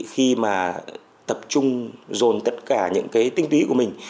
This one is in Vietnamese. khi mà tập trung dồn tất cả những cái tinh túy của mình